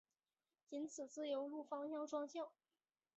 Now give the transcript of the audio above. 仅往自由路方向双向